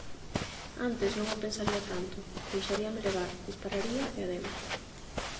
Antes non o pensaría tanto; deixaríame levar, dispararía e adeus.